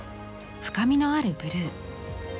深みのあるブルー。